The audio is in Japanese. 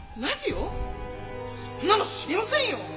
そんなの知りませんよ。